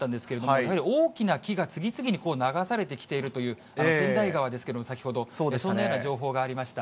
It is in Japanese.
やはり大きな木が次々に流されてきているという、川内川ですけれども、先ほど、そんなような情報がありました。